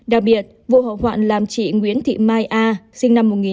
đặc biệt vụ hộ hoạn làm chị nguyễn thị mai a sinh năm một nghìn chín trăm chín mươi bảy